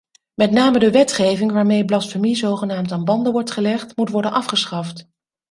Met name de wetgeving waarmee blasfemie zogenaamd aan banden wordt gelegd, moet worden afgeschaft.